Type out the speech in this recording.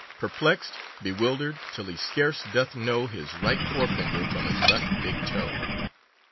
Perplexed, bewildered, till he scarce doth know His right forefinger from his left big toe.